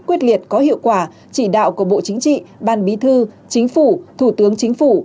quyết liệt có hiệu quả chỉ đạo của bộ chính trị ban bí thư chính phủ thủ tướng chính phủ